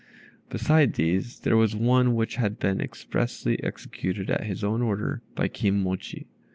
Besides these, there was one which had been expressly executed at his own order by Kim mochi.